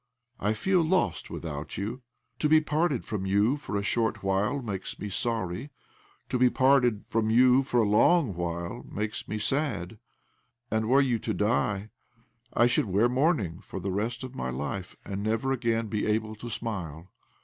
I feel lost without you. To be parted from you for a short while makes me sorry ; to be parted from you for a long while makes me sad; and, were you to die, I should wear mourning for the rest of my life, and never again bfe OBLOMOV i8i able to smile.